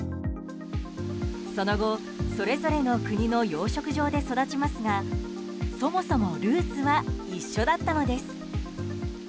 その後、それぞれの国の養殖場で育ちますがそもそもルーツは一緒だったのです。